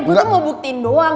gue tuh mau buktiin doang